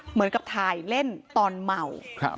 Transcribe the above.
เหมือนกับถ่ายเล่นตอนเมา